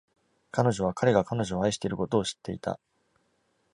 彼女は彼が彼女を愛していることを知っていた。